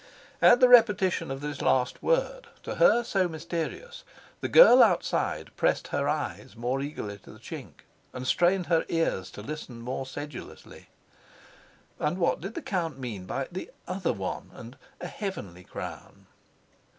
At the repetition of this last word, to her so mysterious, the girl outside pressed her eyes more eagerly to the chink and strained her ears to listen more sedulously. And what did the count mean by the "other one" and "a heavenly crown"?